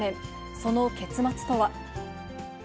その結末とは。